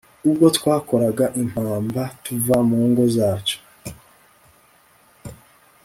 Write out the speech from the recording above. ubwo twakoraga impamba tuva mu ngo zacu